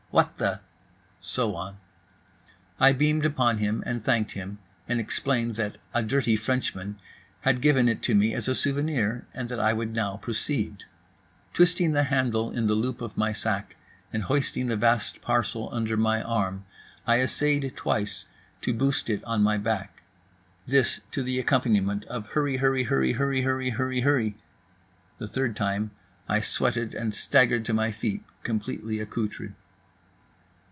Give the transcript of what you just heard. What the—," so on. I beamed upon him and thanked him, and explained that a "dirty Frenchman" had given it to me as a souvenir, and that I would now proceed. Twisting the handle in the loop of my sack, and hoisting the vast parcel under my arm, I essayed twice to boost it on my back. This to the accompaniment of HurryHurryHurryHurryHurryHurryHurry…. The third time I sweated and staggered to my feet, completely accoutred.